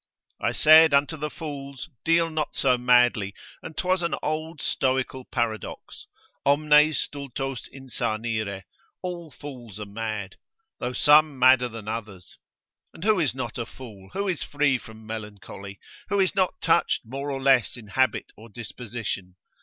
I said unto the fools, deal not so madly, and 'twas an old Stoical paradox, omnes stultos insanire, all fools are mad, though some madder than others. And who is not a fool, who is free from melancholy? Who is not touched more or less in habit or disposition?